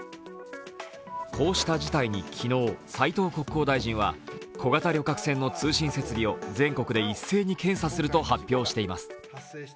こうした事態に昨日斉藤国交大臣は小型旅客船の通信設備を全国で一斉に検査すると発表しています。